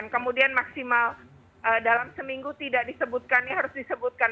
kemudian maksimal dalam seminggu tidak disebutkan ya harus disebutkan